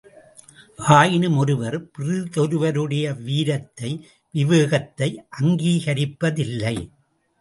ஆயினும் ஒருவர் பிறிதொருவருடைய வீரத்தை, விவேகத்தை அங்கீகரிப்பதில்லை.